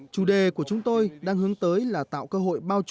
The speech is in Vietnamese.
chủ đề của chúng tôi đang hướng tới là tạo cơ hội bao trù